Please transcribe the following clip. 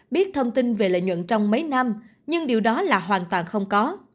biết thông tin về lợi nhuận trong mấy năm nhưng điều đó là hoàn toàn không có